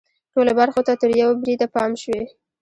ټولو برخو ته تر یوه بریده پام شوی.